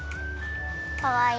かわいい。